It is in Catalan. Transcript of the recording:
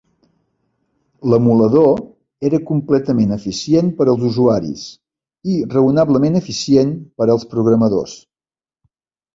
L'emulador era completament eficient per als usuaris i raonablement eficient per als programadors.